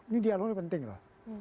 ini dialognya penting loh